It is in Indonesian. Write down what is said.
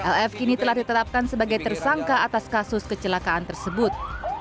lf kini telah ditetapkan sebagai tersangka atas kasus kecelakaan tersebut